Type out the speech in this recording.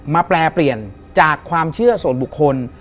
แปลเปลี่ยนจากความเชื่อส่วนบุคคล